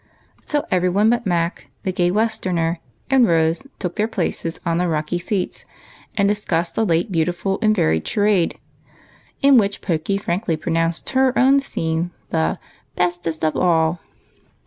So every one but Mac, the gay Westerner, and Rose, took their places on the rocky seats and dis cussed the late beautiful and varied charade, in which Pokey frankly pronounced her own scene the " bestest of all."